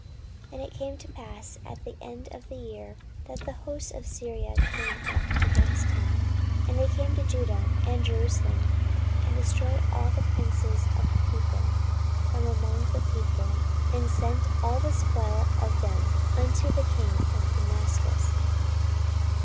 14:024:023 And it came to pass at the end of the year, that the host of Syria came up against him: and they came to Judah and Jerusalem, and destroyed all the princes of the people from among the people, and sent all the spoil of them unto the king of Damascus.